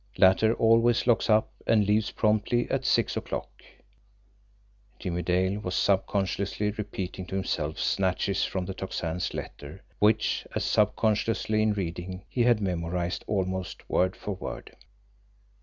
Latter always locks up and leaves promptly at six o'clock " Jimmie Dale was subconsciously repeating to himself snatches from the Tocsin's letter, which, as subconsciously in reading, he had memorised almost word for word.